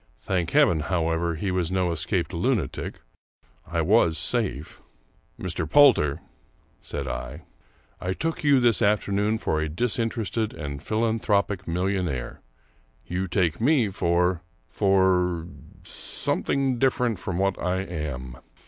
Thank Heaven, however, he was no escaped luna tic. I was safe! " Mr. Poulter," said I, " I took you this afternoon for a disinterested and philanthropic millionaire; you take me for — for — something different from what I am.